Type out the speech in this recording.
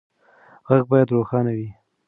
غږ باید روښانه وي.